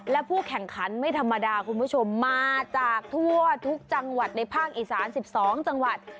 และผู้แข่งขันไม่ธรรมดาคุณผู้ชมมาจากทั่วทุกจังหวัดในภาคอีสาน๑๒จังหวัด